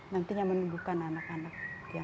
nantinya menumbuhkan anak anak